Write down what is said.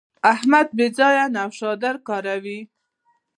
احمد بې ځایه نوشادر کاروي.